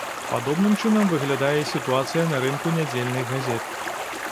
Падобным чынам выглядае і сітуацыя на рынку нядзельных газет.